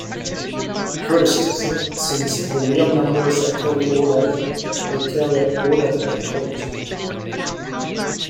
First, since the real numbers are totally ordered, they carry an order topology.